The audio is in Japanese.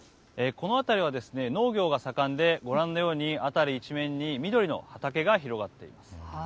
この辺りは、農業が盛んでご覧のように辺り一面に緑色の畑が広がっています。